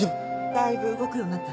だいぶ動くようになった。